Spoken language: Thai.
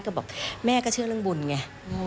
ก็บอกแม่ก็เชื่อเรื่องบุญไง